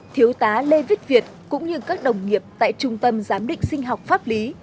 thiếu tá lê viết việt cũng như các đồng nghiệp tại trung tâm giám định sinh học pháp lý